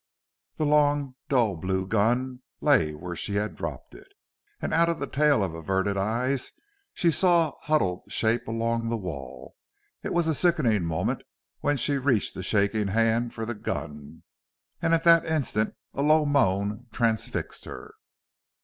The long, dull blue gun lay where she had dropped it. And out of the tail of averted eyes she saw a huddled shape along the wall. It was a sickening moment when she reached a shaking hand for the gun. And at that instant a low moan transfixed her.